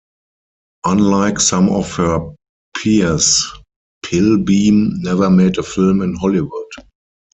Unlike some of her peers, Pilbeam never made a film in Hollywood.